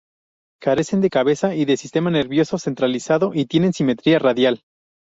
Carecen de cabeza y de sistema nervioso centralizado y tienen simetría radial.